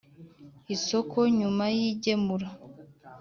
Isoko nyuma y igemura